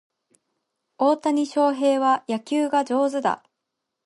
大谷翔平は野球が上手だ